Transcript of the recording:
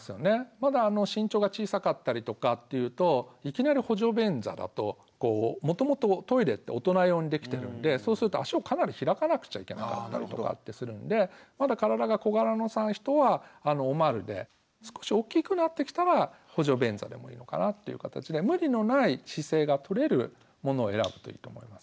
まだ身長が小さかったりとかっていうといきなり補助便座だとこうもともとトイレって大人用にできてるんでそうすると足をかなり開かなくちゃいけなかったりとかってするんでまだ体が小柄さんの人はおまるで少し大きくなってきたら補助便座でもいいのかなっていう形で無理のない姿勢がとれるものを選ぶといいと思いますね。